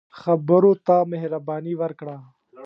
خبرو ته مهرباني ورکړه